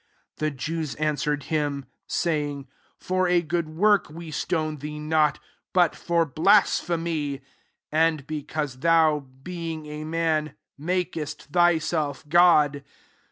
'' 33 The Jews answered him, [aay ^f^r] "For a good work we stone thee not; but for blas phemy, and because thou, be ing a man, makest thyself God."